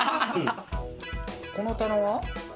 この棚は？